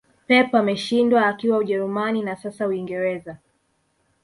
pep ameshindwa akiwa ujerumani na sasa uingereza